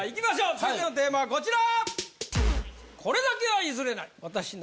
続いてのテーマはこちら！